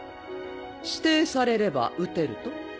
指定されれば打てると？